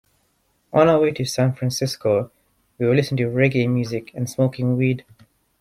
On our way to San Francisco, we were listening to reggae music and smoking weed.